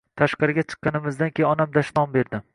Tashqariga chiqqanimizdan keyin onam dashnom berdi.